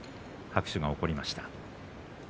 拍手が起こりました。